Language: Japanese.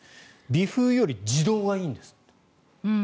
微風より自動がいいんですって。